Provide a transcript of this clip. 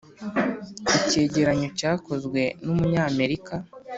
icyegeranyo cyakozwe n’umunyamerika